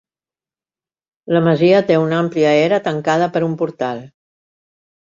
La masia té una àmplia era, tancada per un portal.